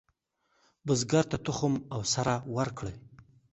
بزګر ته تخم او سره ورکړئ.